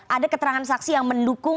ada keterangan saksi yang mendukung